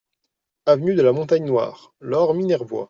Avenue de la Montagne Noire, Laure-Minervois